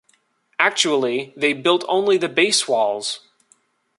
Actually, they built only the base walls.